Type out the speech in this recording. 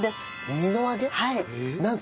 みの揚げ。